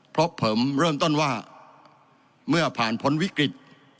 เพราะผมเริ่มต้นว่าเมื่อผ่านพ้นวิกฤต